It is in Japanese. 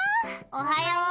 おはよう！